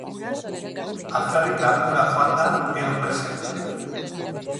Alferrik da ura joanda gero presa egitea.